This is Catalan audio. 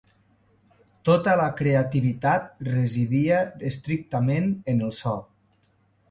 Tota la creativitat residia estrictament en el so.